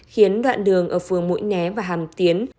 khiến đoạn đường ở phường mũi né và hàm tiến